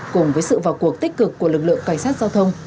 cùng với sự vào cuộc tích cực của lực lượng cảnh sát giao thông